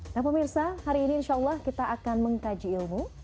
nah pemirsa hari ini insya allah kita akan mengkaji ilmu